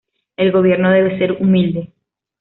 El Gobierno debe ser humilde.